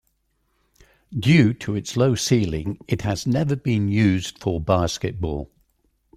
Due to its low ceiling, it has never been used for basketball.